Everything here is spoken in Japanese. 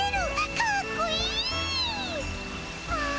かっこいい♥うわ！